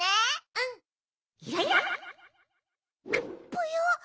ぽよ！？